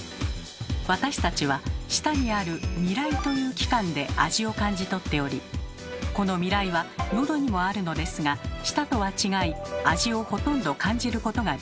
私たちは舌にある「味蕾」という器官で味を感じ取っておりこの味蕾はのどにもあるのですが舌とは違い味をほとんど感じることができません。